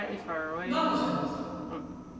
何の裁判ですか？